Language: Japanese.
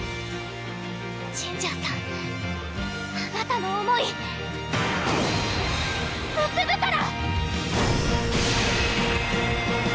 ジンジャーさんあなたの思いむすぶから！